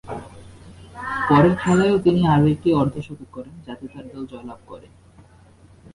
পরের খেলায়ও তিনি আরও একটি অর্ধ-শতক করেন যাতে তার দল জয়লাভ করে।